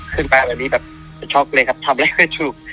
ไปแบบนี้แบบช็อกเลยครับทำอะไรไม่ถูก